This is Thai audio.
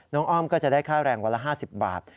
อ้อมก็จะได้ค่าแรงวันละ๕๐บาท